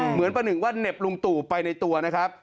ประหนึ่งว่าเหน็บลุงตู่ไปในตัวนะครับ